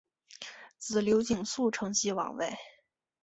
子刘景素承袭王位。